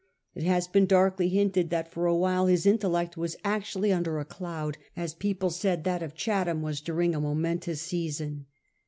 It has been darkly hinted that for a while his intellect was actually under a cloud, as people said that of Chatham was during a momentous season.